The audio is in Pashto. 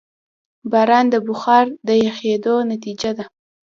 باران د بخار د یخېدو نتیجه ده.